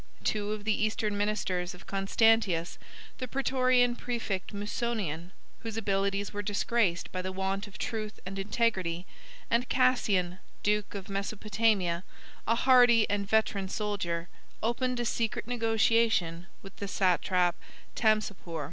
Two of the eastern ministers of Constantius, the Prætorian præfect Musonian, whose abilities were disgraced by the want of truth and integrity, and Cassian, duke of Mesopotamia, a hardy and veteran soldier, opened a secret negotiation with the satrap Tamsapor.